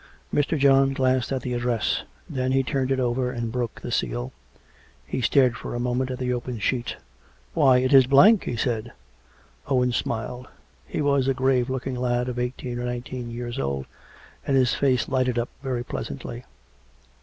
Mr. John glanced at the address; then he turned it over and broke the seal. He stared for a moment at the open sheet. " Why, it is blank !" he said. Owen smiled. He was a grave looking lad of eighteen or nineteen years old ; and his face lighted up very pleasantly.